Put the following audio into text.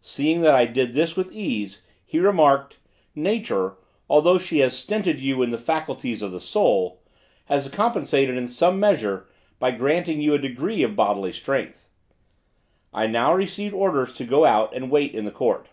Seeing that I did this with ease, he remarked: "Nature, although she has stinted you in the faculties of the soul, has compensated, in some measure, by granting to you a degree of bodily strength." I now received orders to go out and wait in the court.